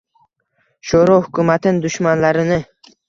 Shoʻro hukumatin dushmanlarini